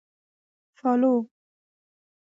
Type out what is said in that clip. Follow